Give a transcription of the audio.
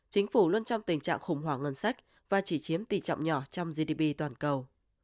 chính phủ luôn trong tình trạng khủng hoảng ngân sách và chỉ chiếm tỷ trọng nhỏ trong gdp toàn cầu